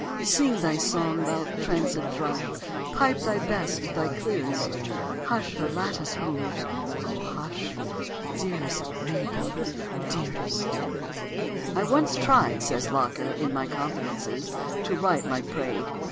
Sing thy song, thou trancèd thrush, Pipe thy best, thy clearest;— Hush, her lattice moves, O hush— Dearest Mabel!—dearest" ... "I once tried," says Locker in "My Confidences," "to write like Praed."